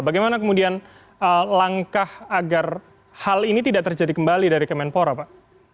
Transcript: bagaimana kemudian langkah agar hal ini tidak terjadi kembali dari kemenpora pak